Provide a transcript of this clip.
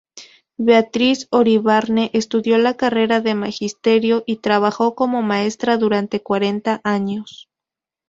Beatriz Iribarne estudió la carrera de Magisterio y trabajó como maestra durante cuarenta años.